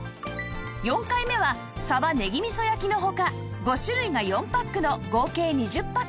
４回目はサバねぎ味噌焼のほか５種類が４パックの合計２０パック